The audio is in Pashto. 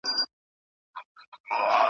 چي رباب چي آدم خان وي درخانۍ به یې داستان وي ,